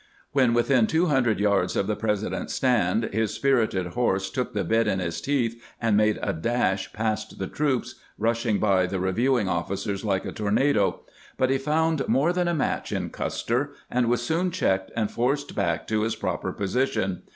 When within two hundred yards of the President's stand, his spirited horse took the bit in his teeth, and made a dash past the troops, rushing by the reviewing oflScers like a tornado ; but he found more than a match •in Custer, and was soon checked, and forced back to his proper position.